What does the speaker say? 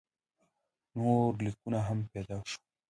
نور لیکونه هم پیدا شول.